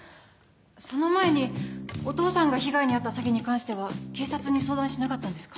その前にお父さんが被害に遭った詐欺に関しては警察に相談しなかったんですか？